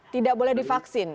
tidak boleh divaksin